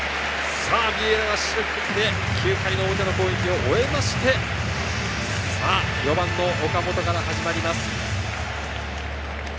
ビエイラが締めくくって９回の表の攻撃を終えまして、４番の岡本から始まります。